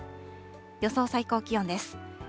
予想最高気温です。